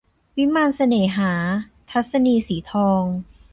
วิมานเสน่หา - ทัศนีย์ สีทอง